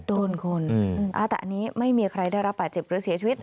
โดนคนแต่อันนี้ไม่มีใครได้รับบาดเจ็บหรือเสียชีวิต